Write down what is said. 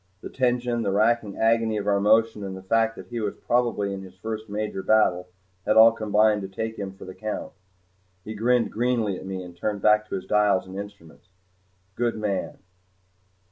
The tension, the racking agony of our motion, and the fact that he was probably in his first major battle had all combined to take him for the count. He grinned greenly at me and turned back to his dials and instruments. Good man!